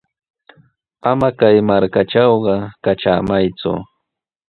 Ama kay markatrawqa katramayku.